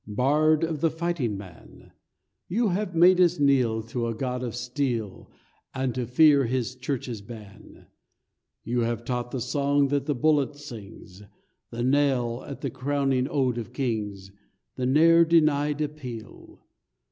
Bard of the fighting man! You have made us kneel to a God of Steel, And to fear his church's ban; You have taught the song that the bullet sings— The knell and the crowning ode of kings; The ne'er denied appeal!